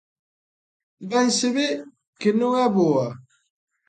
Ben se ve que non é boa.